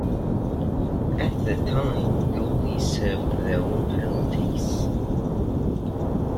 At the time, goalies served their own penalties.